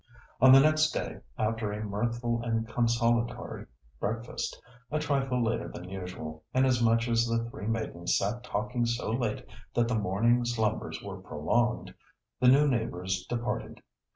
On the next day, after a mirthful and consolatory breakfast—a trifle later than usual, inasmuch as the three maidens sat talking so late that the morning slumbers were prolonged—the new neighbours departed.